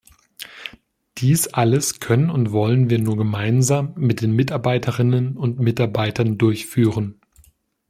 Dies alles können und wollen wir nur gemeinsam mit den Mitarbeiterinnen und Mitarbeitern durchführen.